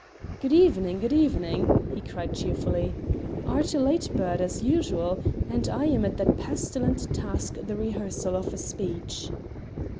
"Good evening, good evening!" he cried cheerfully. "'Art a late bird, as usual, and I am at that pestilent task the rehearsal of a speech."